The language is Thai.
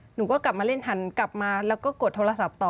หนูก็กลับมาเล่นหันกลับมาแล้วก็กดโทรศัพท์ต่อ